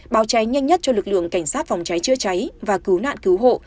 báo cháy nhanh nhất cho lực lượng cảnh sát phòng cháy chữa cháy và cứu nạn cứu hộ